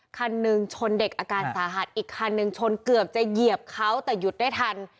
คันหนึ่งชนเด็กอาการสาหัสอีกคันหนึ่งชนเกือบจะเหยียบเขาแต่หยุดได้ทัน